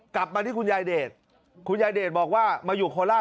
กลับมาที่คุณยายเดชคุณยายเดชบอกว่ามาอยู่โคราช